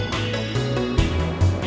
jangan pether itu mah